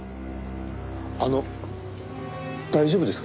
あの大丈夫ですか？